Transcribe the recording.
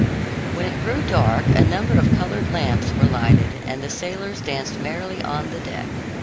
When it grew dark, a number of colored lamps were lighted and the sailors danced merrily on the deck.